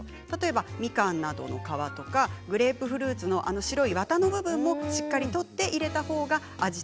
例えば、みかんなどの皮とかグレープフルーツの白いわたの部分もしっかり取って入れたほうがいい。